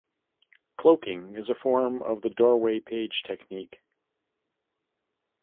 Cloaking is a form of the doorway page technique.